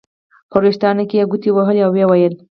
په وریښتانو کې یې ګوتې وهلې او ویې ویل.